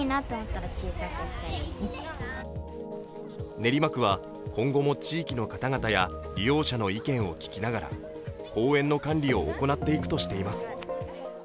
練馬区は、今後も地域の方々や利用者の意見を聞きながら公園の管理を行っていくとしています。